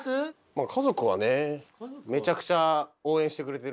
まあ家族はねめちゃくちゃ応援してくれてる。